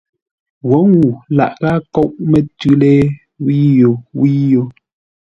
Wǒ ŋuu laghʼ ghâa nkóʼ mətʉ́ lée wíyo wíyo.